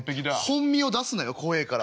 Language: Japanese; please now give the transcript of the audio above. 本身を出すなよ怖えから。